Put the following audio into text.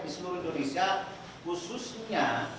di seluruh indonesia khususnya